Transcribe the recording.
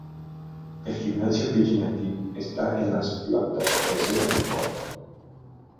El gimnasio Virgin Active está en las plantas tercera y cuarta.